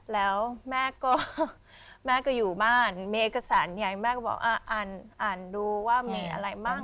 แล้วแม่ก็แม่ก็อยู่บ้านมีเอกสารใหญ่แม่ก็บอกอ่านดูว่ามีอะไรบ้าง